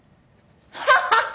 ハハハ！